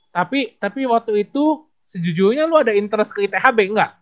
tapi waktu itu sejujurnya lu ada interest ke ithb nggak